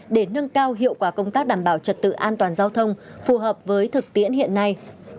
để nâng cao hiệu quả công tác đảm bảo trật tự an toàn giao thông phù hợp với thực tiễn hiện nay